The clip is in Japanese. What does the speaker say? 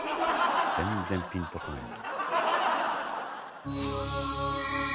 全然ピンとこないな。